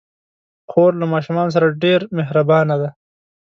خور له ماشومانو سره ډېر مهربانه ده.